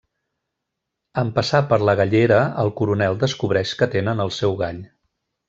En passar per la gallera el coronel descobreix que tenen el seu gall.